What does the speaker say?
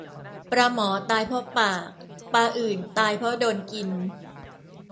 ปลาหมอตายเพราะปาก ปลาอื่นตายเพราะโดนกิน